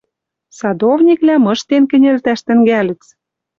Садовниклӓ мыштен кӹньӹлтӓш тӹнгӓльӹц